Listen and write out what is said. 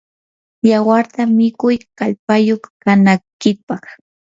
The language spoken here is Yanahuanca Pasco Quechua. yawarta mikuy kallpayuq kanaykipaq.